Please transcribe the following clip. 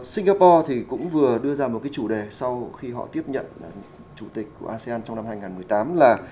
singapore thì cũng vừa đưa ra một cái chủ đề sau khi họ tiếp nhận chủ tịch của asean trong năm hai nghìn một mươi tám là